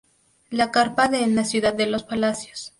La Carpa en la Ciudad de los Palacios